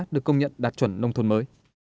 được công nhận đạt chuẩn nông thôn mới